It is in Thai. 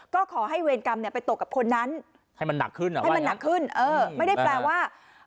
ก็ขอให้เวรกรรมเนี่ยไปตกกับคนนั้นให้มันหนักขึ้นไม่ได้แปลว่า